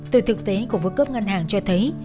từ thực tế của với cấp ngân hàng cho thấy